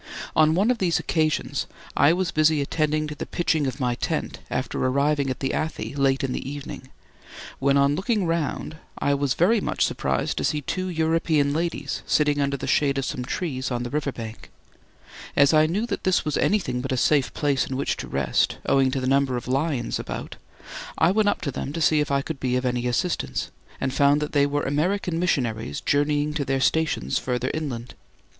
On one of these occasions I was busy attending to the pitching of my tent after arriving at the Athi late in the evening, when on looking round I was very much surprised to see two European ladies sitting under the shade of some trees on the river bank. As I knew that this was anything but a safe place in which to rest, owing to the number of lions about, I went up to them to see if I could be of any assistance, and found that they were American missionaries journeying to their stations further inland.